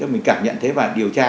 mình cảm nhận thấy và điều tra